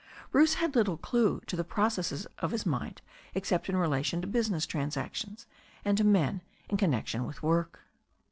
Bruce had little clue to the processes of his mind except in relation to business transactions and to men in connection with work.